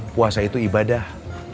puasa itu ibadah